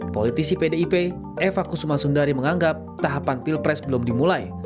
politisi pdip eva kusuma sundari menganggap tahapan pilpres belum dimulai